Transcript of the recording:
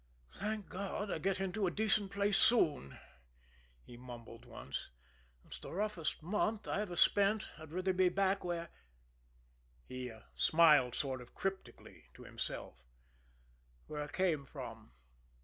"Thank God, I get into a decent place soon!" he mumbled once. "It's the roughest month I ever spent. I'd rather be back where" he smiled sort of cryptically to himself "where I came from."